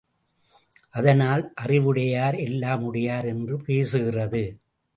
அதனால் அறிவுடையார் எல்லாம் உடையார் என்று பேசுகிறது.